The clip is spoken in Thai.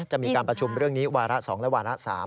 จะมีการประชุมเรื่องนี้วาระ๒และวาระ๓